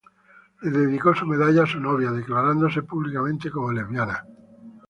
Le dedicó su medalla a su novia, declarándose públicamente como lesbiana.